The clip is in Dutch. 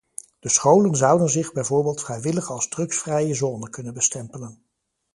De scholen zouden zich bijvoorbeeld vrijwillig als drugsvrije zone kunnen bestempelen.